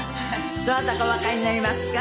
どなたかおわかりになりますか？